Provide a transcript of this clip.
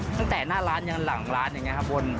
ตั้งแต่หน้าร้านยังหลังร้านอย่างนี้ครับบน